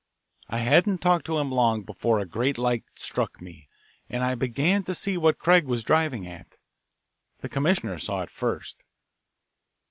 I hadn't talked to him long before a great light struck me, and I began to see what Craig was driving at. The commissioner saw it first.